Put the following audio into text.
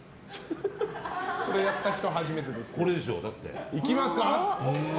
それやった人、初めてです。